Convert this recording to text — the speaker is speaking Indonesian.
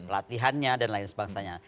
latihannya dan lain sebagainya